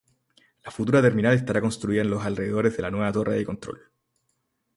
La futura terminal estará construida en los alrededores de la nueva torre de control.